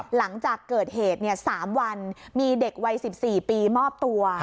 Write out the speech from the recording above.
หลังจากเกิดเหตุ๓วันมีเด็กวัย๑๔ปีมอบตัว